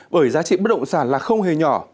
bởi giá trị bất động sản là không hề nhỏ